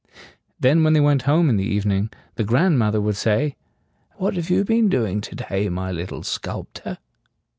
Then when they went home in the evening, the grand moth er would say, "What have you been doing to day, my little sculp tor?"